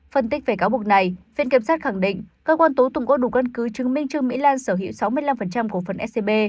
phân tích về cáo buộc này viện kiểm sát khẳng định cơ quan tố tụng có đủ căn cứ chứng minh trương mỹ lan sở hữu sáu mươi năm cổ phần scb